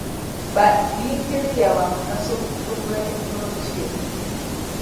Bayinginiya ba mugaso mu kutumbula tekinologiya